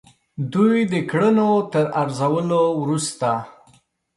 دوی د کړنو تر ارزولو وروسته.